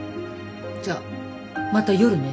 じゃあまた夜ね。